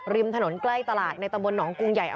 ริมถนนใกล้ตลาดในตำบลหนองกรุงใหญ่